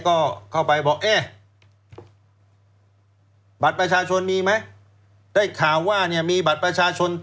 ก็เข้าไปบอกเอ๊ะบัตรประชาชนมีไหมได้ข่าวว่าเนี่ยมีบัตรประชาชน